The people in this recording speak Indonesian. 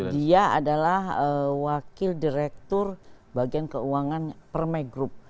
dia adalah wakil direktur bagian keuangan perme group